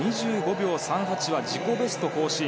２５秒３８は自己ベスト更新。